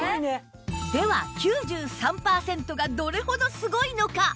では９３パーセントがどれほどすごいのか？